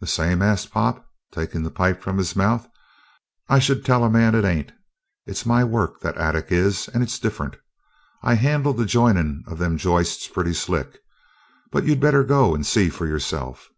"The same?" asked Pop, taking the pipe from his mouth. "I should tell a man it ain't. It's my work, that attic is, and it's different. I handled the joinin' of them joists pretty slick, but you better go and see for yourself."